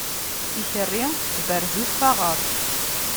Ikerri tberrez-it taɣaṭ.